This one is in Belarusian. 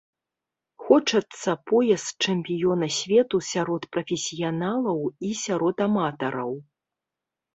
Хочацца пояс чэмпіёна свету сярод прафесіяналаў і сярод аматараў.